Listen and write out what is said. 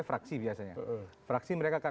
fraksi biasanya fraksi mereka akan